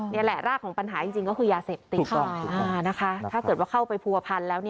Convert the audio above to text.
นี่แหละรากของปัญหาจริงก็คือยาเสพถ้าเกิดว่าเข้าไปภูพพันธ์แล้ว